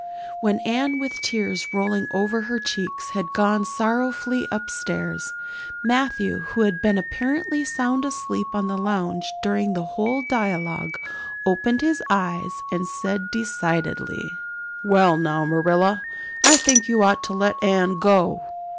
When Anne, with tears rolling over her cheeks, had gone sorrowfully upstairs, Matthew, who had been apparently sound asleep on the lounge during the whole dialogue, opened his eyes and said decidedly: "Well now, Marilla, I think you ought to let Anne go."